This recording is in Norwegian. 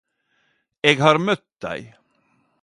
Eg har møtt dei